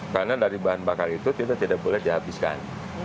karena dari bahan bakar itu tidak boleh dihabiskan